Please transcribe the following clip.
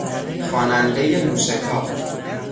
خوانندهی موشکاف